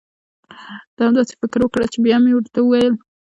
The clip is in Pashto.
ته هم دا سي فکر خپل کړه بیا مي ورته وویل: